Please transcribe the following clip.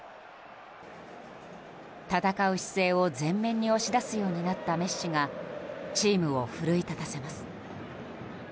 戦う姿勢を、前面に押し出すようになったメッシがチームを奮い立たせます。